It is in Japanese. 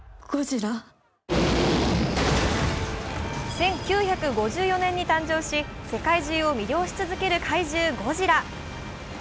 １９５４年に誕生し、世界中を魅了し続ける怪獣・ゴジラ。